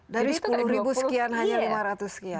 dari sepuluh ribu sekian hanya lima ratus sekian